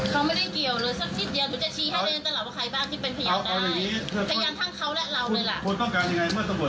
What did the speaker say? เจ้าของช้างอยู่ไหนมาขอบคุมดิ